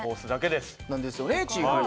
なんですよねチーフ。